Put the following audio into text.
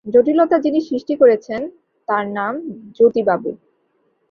জটিলতা যিনি সৃষ্টি করেছেন, তাঁর নাম জ্যোতিবাবু!